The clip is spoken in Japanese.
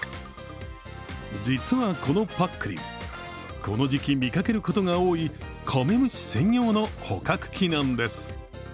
実はこのぱっくりん、この時期見かけることが多いカメムシ専用の捕獲器なんです。